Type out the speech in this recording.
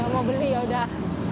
gak mau beli yaudah